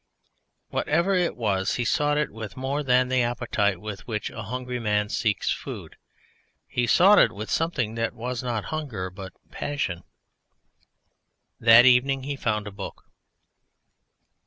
Whatever it was, he sought it with more than the appetite with which a hungry man seeks food. He sought it with something that was not hunger but passion. That evening he found a book.